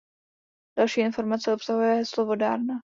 Další informace obsahuje heslo Vodárna.